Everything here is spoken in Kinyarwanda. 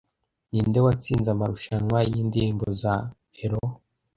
Ninde watsinze amarushanwa yindirimbo za Euro